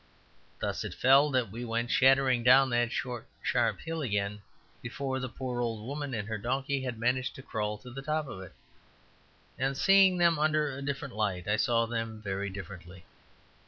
Thus it fell that we went shattering down that short, sharp hill again before the poor old woman and her donkey had managed to crawl to the top of it; and seeing them under a different light, I saw them very differently.